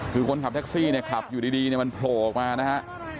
คือก้อนขับแท็กซี่ขับอยู่ดีมันโผล่มานะฮะ